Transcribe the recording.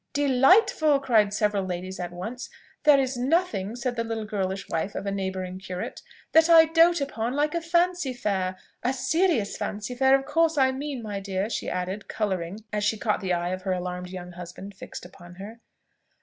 "Delightful!" cried several ladies at once. "There is nothing," said the little girlish wife of a neighbouring curate, "that I dote upon like a fancy fair; a serious fancy fair, of course I mean, my dear," she added, colouring, as she caught the eye of her alarmed young husband fixed upon her.